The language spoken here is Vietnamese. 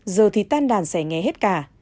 giờ thì tan đàn sẽ nghé hết cả